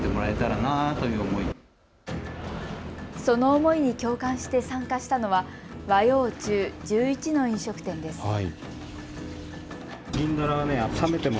その思いに共感して参加したのは和洋中、１１の飲食店です。